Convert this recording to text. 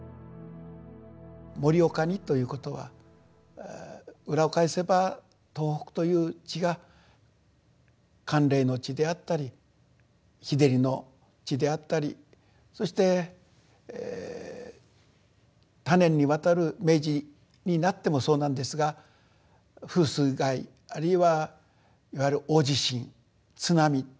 盛岡にということは裏を返せば東北という地が寒冷の地であったり日照りの地であったりそして多年にわたる明治になってもそうなんですが風水害あるいはいわゆる大地震津波。